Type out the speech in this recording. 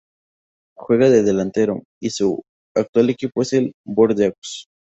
Juega de delantero y su actual equipo es el Bordeaux